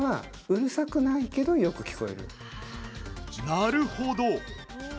なるほど！